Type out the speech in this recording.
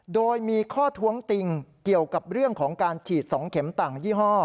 โดยมีข้อท้วงติงเกี่ยวกับเรื่องของการฉีด๒เข็มต่างยี่ห้อ